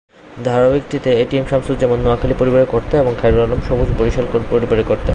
ধারাবাহিকটিতে A T M Shamsuzzaman Noakhali পরিবারের কর্তা এবং খায়রুল আলম সবুজ বরিশাল পরিবারের কর্তা।